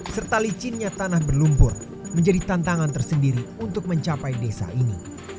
serta licinnya tanah berlumpur menjadi tantangan tersendiri untuk mencapai desa ini